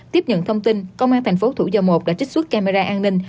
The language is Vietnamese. tiếp nhận thông tin công an thành phố thủ dầu một đã trích xuất camera an ninh